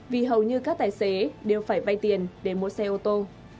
vì hầu như các tài xế đều phải vay tiền để mua xe ô tô